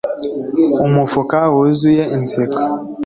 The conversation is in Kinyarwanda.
umufuka wuzuye inseko,